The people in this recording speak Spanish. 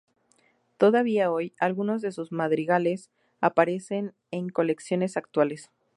Todavía hoy, algunos de sus madrigales aparecen en colecciones actuales.